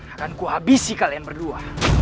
akan kuhabisi kalian berdua